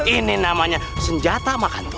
ini namanya senjata mas